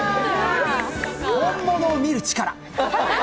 本物を見る力。